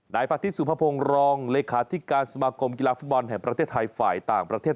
นายปฏิสุภพงศ์รองเลขาธิการสมาคมกีฬาฟุตบอลแห่งประเทศไทยฝ่ายต่างประเทศ